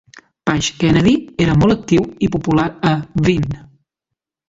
Page Kennedy era molt actiu i popular a Vine.